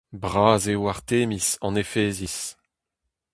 Bras eo Artemiz an Efeziz !